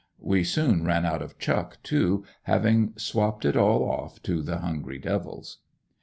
We soon ran out of chuck too, having swapped it all off to the hungry devils.